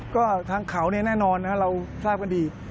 ก็ทางเขาแน่นอนเราทราบกันดี